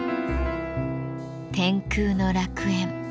天空の楽園。